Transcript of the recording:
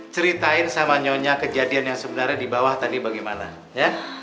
ceritain sama nyonya kejadian yang sebenarnya di bawah tadi bagaimana ya